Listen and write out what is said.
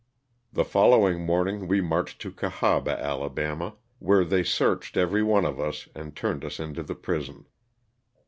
The following morning we marched to Cahaba, Ala., where they searched every one of us and turned us into the prison.